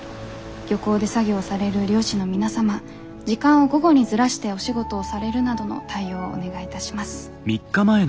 漁港で作業される漁師の皆様時間を午後にずらしてお仕事をされるなどの対応をお願いいたします。